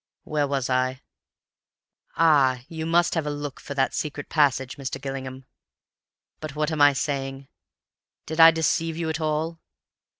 Where was I? Ah, you must have a look for that secret passage, Mr. Gillingham. "But what am I saying? Did I deceive you at all?